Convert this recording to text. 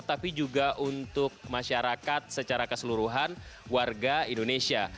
tapi juga untuk masyarakat secara keseluruhan warga indonesia